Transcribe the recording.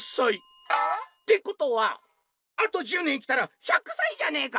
「ってことはあと１０年生きたら１００さいじゃねえか！」。